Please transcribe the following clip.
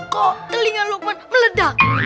kok telinga luakman meledak